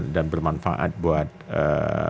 dan bermanfaat buat eee